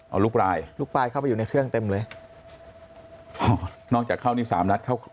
เอาลูกปลายลูกปลายเข้าไปอยู่ในเครื่องเต็มเลยอ๋อนอกจากเข้านี่สามนัดเข้า